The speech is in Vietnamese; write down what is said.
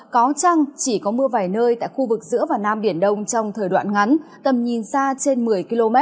có trăng chỉ có mưa vài nơi tại khu vực giữa và nam biển đông trong thời đoạn ngắn tầm nhìn xa trên một mươi km